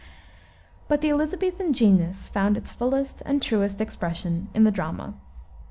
But the Elisabethan genius found its fullest and truest expression in the drama.